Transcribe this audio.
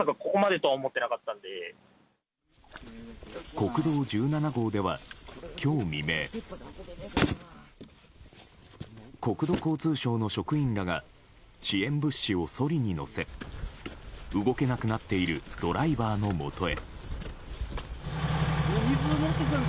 国道１７号では今日未明。国土交通省の職員らが支援物資をそりに載せ動けなくなっているドライバーのもとへ。